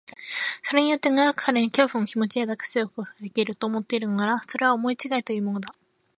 それによって長く彼に恐怖の気持を抱かせておくことができる、と思っているのなら、それは思いちがいというものだ。